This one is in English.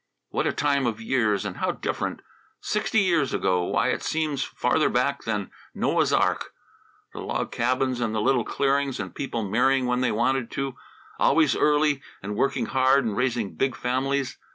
"What a time of years, and how different! Sixty years ago why, it seems farther back than Noah's ark. The log cabins in the little clearings, and people marrying when they wanted to always early, and working hard and raising big families.